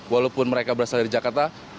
walaupun mereka berasal dari jakarta